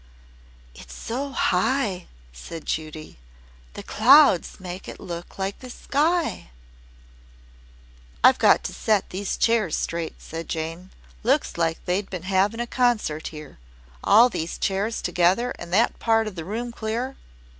"It's so high," said Judy. "Those clouds make it look like the sky." "I've got to set these chairs straight," said Jane. "Looks like they'd been havin' a concert here. All these chairs together an' that part of the room clear."